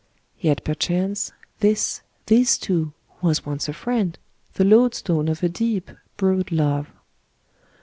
Yet perchance, tbisj this too, was once a friend, the load stone of a deep, broad love.